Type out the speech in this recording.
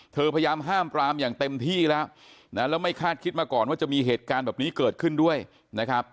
พยายามห้ามปรามอย่างเต็มที่แล้วนะแล้วไม่คาดคิดมาก่อนว่าจะมีเหตุการณ์แบบนี้เกิดขึ้นด้วยนะครับ